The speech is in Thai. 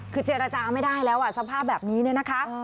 คือเจรจาไม่ได้แล้วสภาพแบบนี้เนี่ยนะคะ